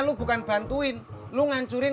lu bukan bantuin lu ngancurin